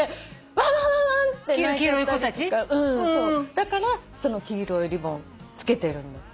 だからその黄色いリボンつけてるんだって。